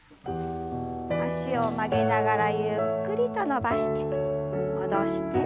脚を曲げながらゆっくりと伸ばして戻して。